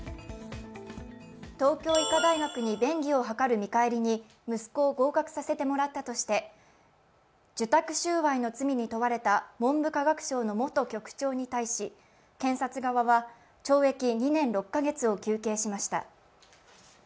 東京医科大学に便宜を図る見返りに息子を合格させてもらったとして受託収賄の罪に問われた文部科学省の元局長に対し、検察側は懲役２年６カ月を求刑しました。